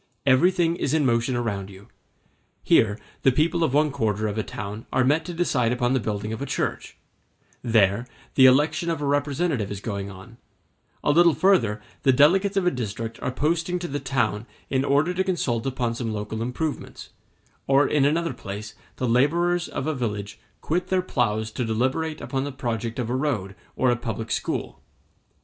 Everything is in motion around you; here, the people of one quarter of a town are met to decide upon the building of a church; there, the election of a representative is going on; a little further the delegates of a district are posting to the town in order to consult upon some local improvements; or in another place the laborers of a village quit their ploughs to deliberate upon the project of a road or a public school.